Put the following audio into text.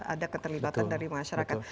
ada keterlibatan dari masyarakat